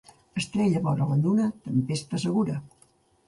Estrella vora la lluna, tempesta segura.